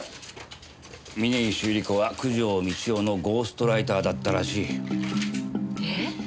峰岸百合子は九条美千代のゴーストライターだったらしい。え？